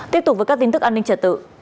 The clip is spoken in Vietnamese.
tiếp tục với các tin tức an ninh trật tự